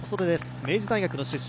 明治大学出身。